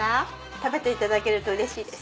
食べていただけるとうれしいです。